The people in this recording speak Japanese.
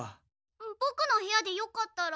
ボクの部屋でよかったら。